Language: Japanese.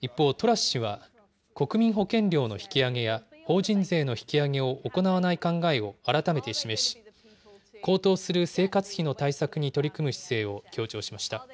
一方、トラス氏は、国民保険料の引き上げや法人税の引き上げを行わない考えを改めて示し、高騰する生活費の対策に取り組む姿勢を強調しました。